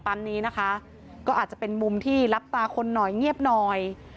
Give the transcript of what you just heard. นี้นะคะก็อาจจะเป็นมุมที่รับตาคนหน่อยเงียบหน่อย